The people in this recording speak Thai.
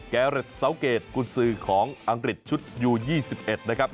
แกเรดซาวเกดกุญสือของอังกฤษชุดยู๒๑นะครับ